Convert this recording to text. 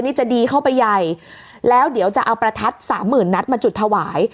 นี่จะดีเข้าไปใหญ่แล้วเดี๋ยวจะเอาประทัดสามหมื่นนัดมาจุดถวาย